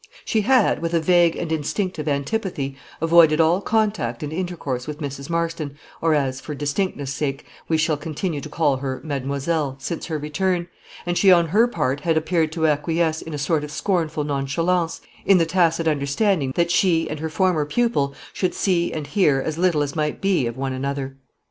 She had, with a vague and instinctive antipathy, avoided all contact and intercourse with Mrs. Marston, or as, for distinctness sake, we shall continue to call her, "Mademoiselle," since her return; and she on her part had appeared to acquiesce with a sort of scornful nonchalance, in the tacit understanding that she and her former pupil should see and hear as little as might be of one another.